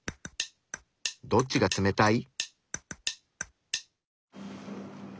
どっちが冷たい？